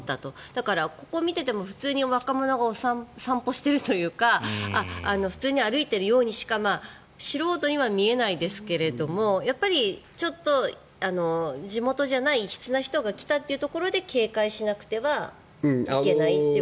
だから、ここを見ていても普通に若者が散歩しているというか普通に歩いているようにしか素人からは見えないですけどやっぱりちょっと地元じゃない異質な人が来たというところで警戒しなくてはいけないという。